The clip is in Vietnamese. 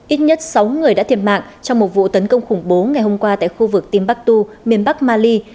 ít nhất sáu người đã thiệt mạng trong một vụ tấn công khủng bố ngày hôm qua tại khu vực timbatu miền bắc mali